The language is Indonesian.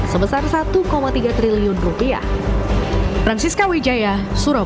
sebesar satu tiga triliun rupiah